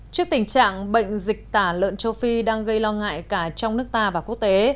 trước tình trạng bệnh dịch tả lợn châu phi đang gây lo ngại cả trong nước ta và quốc tế